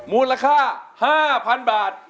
มูลค่า๕๐๐๐บาท